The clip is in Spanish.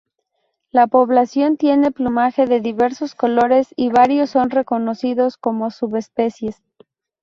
La población tiene plumaje de diversos colores y varios son reconocidos como subespecies.